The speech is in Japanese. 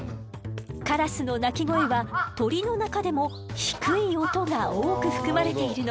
カラスの鳴き声は鳥の中でも低い音が多く含まれているの。